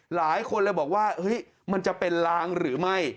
หลายคนเลยบอกว่ามันจะเป็นลางหรือไม่